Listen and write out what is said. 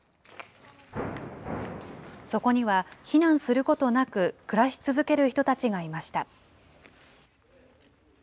そこには避難することなく、暮らし続ける人たちがいました。